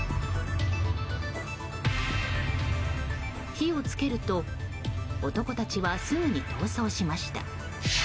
火を付けると男たちはすぐに逃走しました。